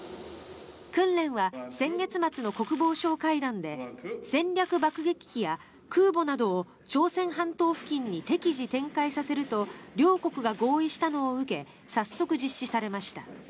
訓練は先月末の国防相会談で戦略爆撃機や空母などを朝鮮半島付近に適時展開させると両国が合意したのを受け早速、実施されました。